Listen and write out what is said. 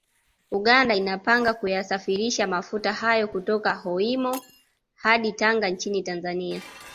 Uganda inapanga kuyasafirisha mafuta hayo kutoka Hoima hadi Tanga nchini Tanzania